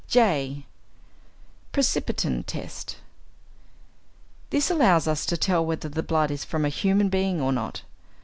(j) =Precipitin Test.= This allows us to tell whether the blood is from a human being or not.